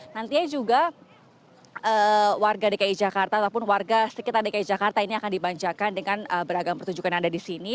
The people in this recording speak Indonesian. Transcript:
nantinya juga warga dki jakarta ataupun warga sekitar dki jakarta ini akan dimanjakan dengan beragam pertunjukan yang ada di sini